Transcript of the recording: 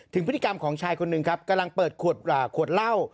ถึงพฤติกรรมของชายคนหนึ่งครับกำลังเปิดขวดเหล้า